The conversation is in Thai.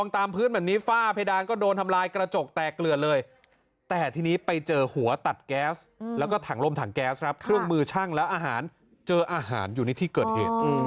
ตั้งหลักแหล่งเอออยู่ในนี้เลยปากหลักปากหลักขโมยกันเลยทีเดียว